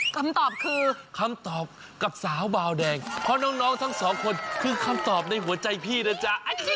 คำตอบคือคำตอบกับสาวบาวแดงเพราะน้องทั้งสองคนคือคำตอบในหัวใจพี่นะจ๊ะ